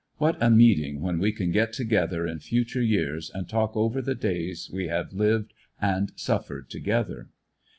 What a meeting when we can get together in future years, and talk over the days we have lived and suffered together.